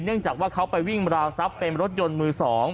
เนื่องจากว่าเขาไปวิ่งราวซับเป็นรถยนต์มือ๒